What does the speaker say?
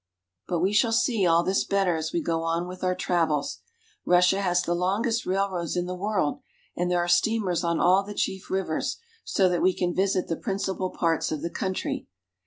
But we shall see all this better as we go on with our travels. Russia has the longest railroads in the world, and there are steamers on all the chief rivers, so that we can visit the principal parts of the country.